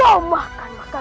apa yang terjadi